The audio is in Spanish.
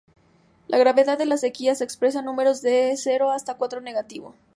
La gravedad de la sequía se expresa en números de cero hasta cuatro negativo.